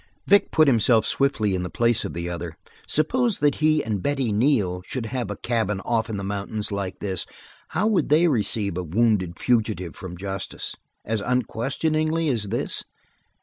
Vic put himself swiftly in the place of the other. Suppose that he and Betty Neal should have a cabin off in the mountains like this, how would they receive a wounded fugitive from justice? As unquestioningly as this?